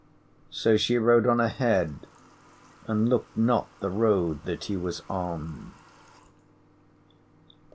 So she rode on ahead and looked not the road that he was on.